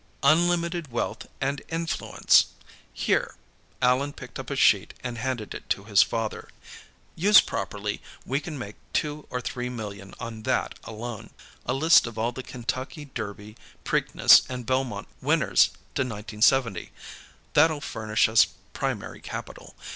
"Unlimited wealth and influence. Here." Allan picked up a sheet and handed it to his father. "Used properly, we can make two or three million on that, alone. A list of all the Kentucky Derby, Preakness, and Belmont winners to 1970. That'll furnish us primary capital.